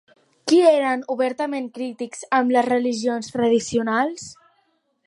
Qui eren obertament crítics amb les religions tradicionals?